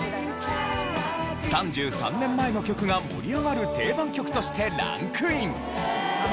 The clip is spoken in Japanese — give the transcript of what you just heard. ３３年前の曲が盛り上がる定番曲としてランクイン。